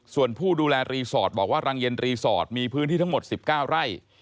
ส่วนผู้ดูแลรีสอร์ทบอกว่ารังเย็นรีสอร์ทมีพื้นที่ทั้งหมด๑๙ไร่